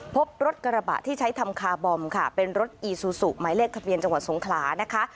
พบรถกระบะที่ใช้ทำคาร์บอมค่ะเป็นรถอีซูซูหมายเลขทะเบียนจังหวัดสงขลานะคะ